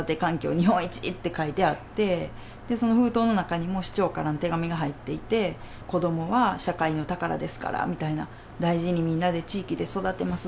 日本一って書いてあって、その封筒の中にも市長からの手紙が入っていて、子どもは社会の宝ですからみたいな、大事にみんなで地域で育てます。